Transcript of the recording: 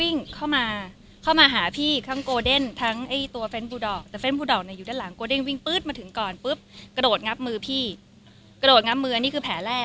พอเจ้าของตะกดหมาก็วิ่งเข้ามา